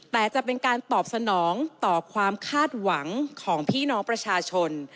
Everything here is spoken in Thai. แต่จะเป็นการตอบสนองต่อความคาดหวังของพี่น้องประชาชน